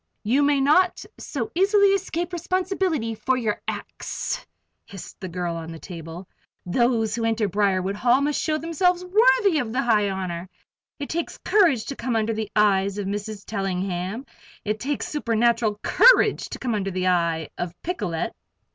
"You may not so easily escape responsibility for your acts," hissed the girl on the table. "Those who enter Briarwood Hall must show themselves worthy of the high honor. It takes courage to come under the eye of Mrs. Tellingham; it takes supernatural courage to come under the eye of Picolet!"